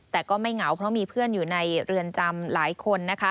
แต่ก็ไม่เหงาเพราะมีเพื่อนอยู่ในเรือนจำหลายคนนะคะ